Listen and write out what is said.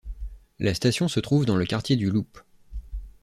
La station se trouve dans le quartier du Loop.